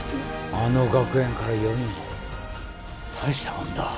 あの学園から４人大したもんだ